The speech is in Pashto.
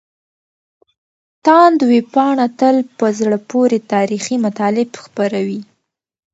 تاند ویبپاڼه تل په زړه پورې تاريخي مطالب خپروي.